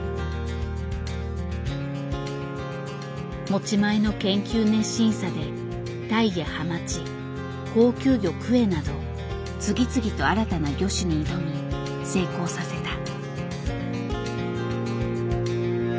持ち前の研究熱心さでタイやハマチ高級魚クエなど次々と新たな魚種に挑み成功させた。